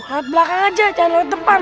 lewat belakang aja jangan lewat depan